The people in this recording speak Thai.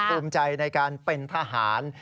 ภูมิใจในการเป็นทหาร